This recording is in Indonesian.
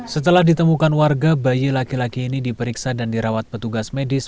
setelah ditemukan warga bayi laki laki ini diperiksa dan dirawat petugas medis